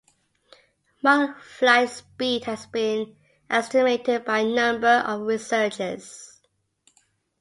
Monarch flight speed has been estimated by a number of researchers.